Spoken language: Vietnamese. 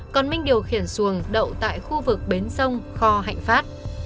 còn minh điều khiển xuồng đậu tại khu vực bến sông kho hạnh phát